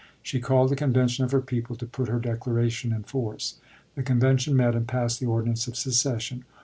She called a conven tion of her people to put her declaration in force. The convention met and passed the ordinance of secession.